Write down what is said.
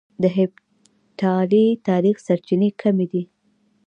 د هېپتالي تاريخ سرچينې کمې دي